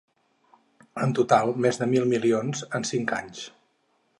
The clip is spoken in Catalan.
En total, més de mil milions en cinc anys.